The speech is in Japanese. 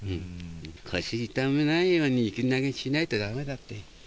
腰痛めないように、雪投げしないとだめだって。